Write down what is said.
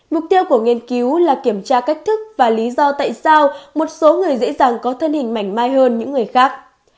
mục tiêu của nghiên cứu là kiểm tra cách thức và lý do tại sao một số người dễ dàng có thân hình mảnh mai hơn những người khác